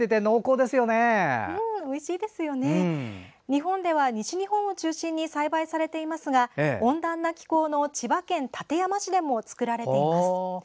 日本では西日本を中心に栽培されていますが温暖な気候の千葉県館山市でも作られています。